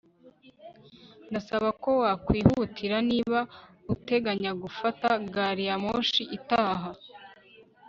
ndasaba ko wakwihutira niba uteganya gufata gari ya moshi itaha